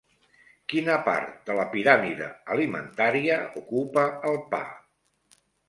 Quina part de la piràmide alimentària ocupa el pa?